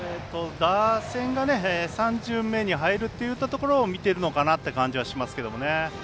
打線が３巡目に入るというところを見ているのかなという感じがしますけどね。